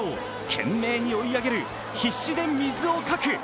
懸命に追い上げる、必死で水をかく。